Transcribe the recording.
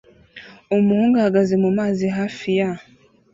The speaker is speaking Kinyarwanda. Umuhungu ahagaze mumazi hafi ya